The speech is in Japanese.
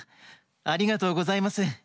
ありがとうございます。